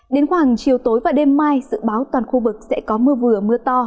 đến khoảng chiều tối và đêm mai dự báo toàn khu vực sẽ có mưa vừa mưa to